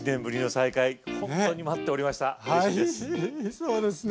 そうですね！